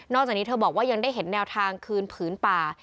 จากนี้เธอบอกว่ายังได้เห็นแนวทางคืนผืนป่า